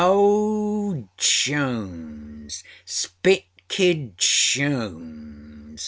â âOh, Jones, Spit Kid Jones.